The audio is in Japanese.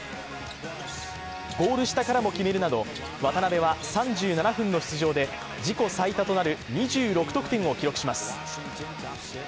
ゴール下からも決めるなど渡邊は３７分の出場で自己最多となる２６得点を奪います。